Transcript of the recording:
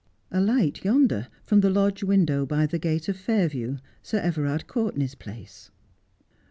A light yonder from the lodge window by the gate of Fairview, Sir Everard Courtenay's place.